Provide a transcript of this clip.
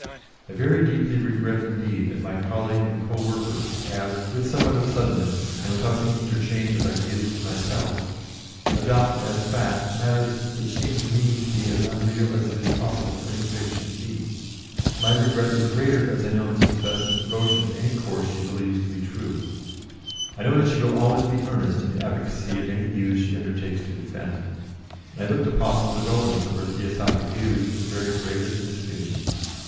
I very deeply regret indeed that my colleague and co worker has, with somewhat of suddenness, and without any interchange of ideas with myself, adopted as facts matters which seem to me to be as unreal as it is possible for any fiction to be. My regret is greater as I know Mrs. Besant's devotion to any course she believes to be true. I know that she will always be earnest in the advocacy of any views she undertakes to defend, and I look to possible developments of her Theosophic views with the very gravest misgiving.